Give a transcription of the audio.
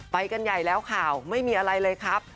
ไปกันใหญ่แล้วข่าวไม่มีอะไรเลยครับ